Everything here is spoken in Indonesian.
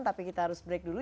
tapi kita harus break dulu